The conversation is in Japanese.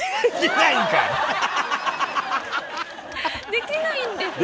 できないんですね。